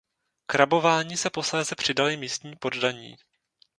K rabování se posléze přidali místní poddaní.